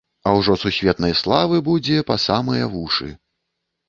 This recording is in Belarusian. А ўжо сусветнай славы будзе па самыя вушы.